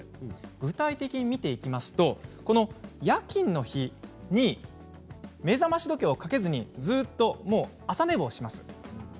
具体的に見ていきますと夜勤の日に目覚まし時計をかけずに、朝寝坊します。